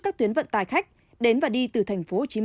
các tuyến vận tài khách đến và đi từ tp hcm